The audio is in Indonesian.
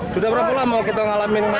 sudah berapa lama kita ngalamin mati mati